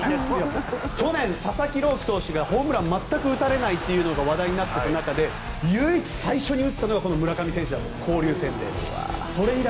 去年佐々木朗希投手がホームラン全く打たれないというのが話題になっていた中で唯一、最初に打ったのがこの村上選手だった、交流戦で。